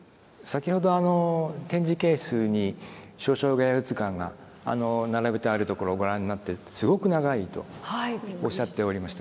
先ほど展示ケースに「瀟湘臥遊図巻」が並べてあるところをご覧になってすごく長いとおっしゃっておりましたけれども。